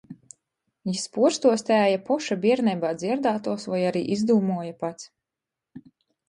Jis puorstuostēja poša bierneibā dzierdātuos voi ari izdūmuoja pats.